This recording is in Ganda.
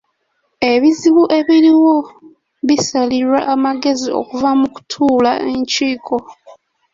Ebizibu ebiriwo bisalirwa amagezi okuva mu kutuula enkiiko..